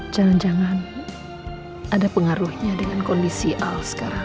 jangan jangan ada pengaruhnya dengan kondisi al sekarang